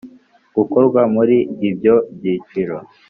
gukorwa muri ibyo byiciro